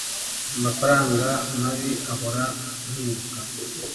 amafaranga mabi ahora ahinduka